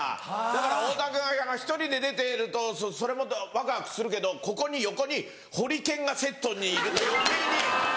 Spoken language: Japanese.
だから太田君が１人で出ているとそれもワクワクするけどここに横にホリケンがセットにいると余計に。